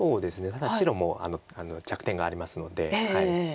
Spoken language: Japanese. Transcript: ただ白も弱点がありますので。